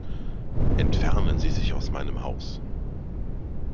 Entfernen Sie sich aus meinem Haus.